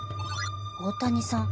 大谷さん